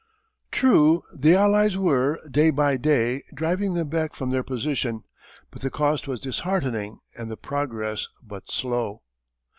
True, the Allies were, day by day, driving them back from their position, but the cost was disheartening and the progress but slow.